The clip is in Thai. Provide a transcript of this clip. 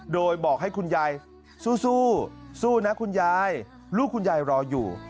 โดยบอกให้คุณยายสู้สู้นะคุณยายลูกคุณยายรออยู่